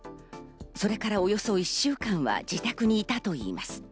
それからおよそ１週間は自宅にいたといいます。